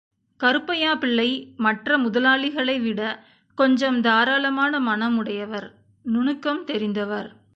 கருப்பையா பிள்ளை மற்ற முதலாளிகளை விடக்கொஞ்சம் தாராளமான மனம் உடையவர் நுணுக்கம் தெரிந்தவர்.